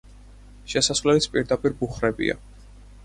შესასვლელის პირდაპირ ბუხრებია.